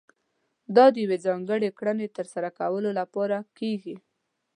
دا د يوې ځانګړې کړنې ترسره کولو لپاره کېږي.